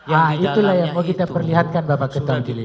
ah itulah yang mau kita perlihatkan bapak ketanjilis